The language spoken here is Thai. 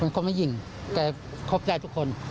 มันคบไม่ยิ่งเขาต้องแบ่งผู้คน